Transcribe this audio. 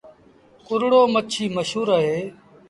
ڪورڙو مڇيٚ مشهور اهي۔